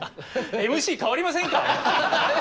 ＭＣ代わりませんか？